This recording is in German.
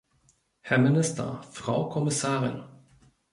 Herr Minister, Frau Kommissarin!